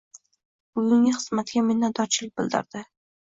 Bugungi xizmatiga minnatdorchilik bildirdi.